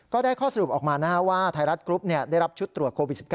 ก็ได้ข้อสรุปออกมาว่าไทยรัฐกรุ๊ปได้รับชุดตรวจโควิด๑๙